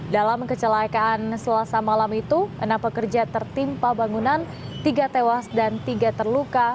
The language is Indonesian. dalam kecelakaan selasa malam itu enam pekerja tertimpa bangunan tiga tewas dan tiga terluka